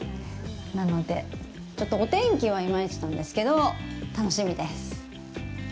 なので、ちょっとお天気はいまいちなんですけど、楽しみです。